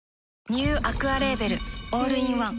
ニューアクアレーベルオールインワン